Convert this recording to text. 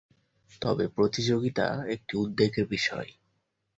তবে প্রতিযোগিতা একটি উদ্বেগের বিষয়।